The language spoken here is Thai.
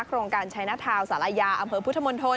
โครงการชัยหน้าทาวสารยาอำเภอพุทธมนตร